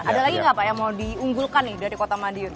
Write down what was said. ada lagi nggak pak yang mau diunggulkan nih dari kota madiun